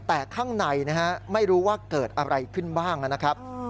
แต่ข้างในนะฮะไม่รู้ว่าเกิดอะไรขึ้นบ้างนะครับ